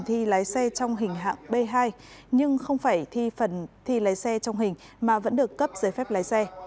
hạng b hai nhưng không phải thi phần thi lái xe trong hình mà vẫn được cấp giới phép lái xe